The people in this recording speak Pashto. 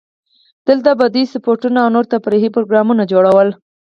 دلته به دوی سپورتونه او نور تفریحي پروګرامونه جوړول.